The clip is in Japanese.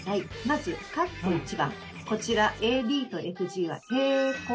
まず番こちらＡＤとＦＧは平行。